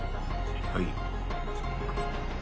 はい。